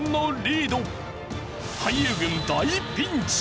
俳優軍大ピンチ。